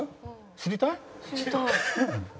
知りたい。